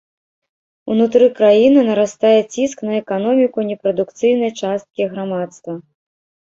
Унутры краіны нарастае ціск на эканоміку непрадукцыйнай часткі грамадства.